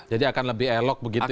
jadi akan lebih elok begitu ya